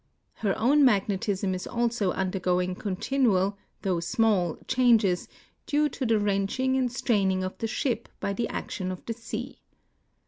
Her own magnetism is also undergoing continual, though small, changes due to the wrenching and straining of the ship by the action of the sea.